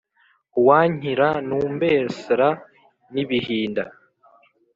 uwankiranumbersra n’ibihinda,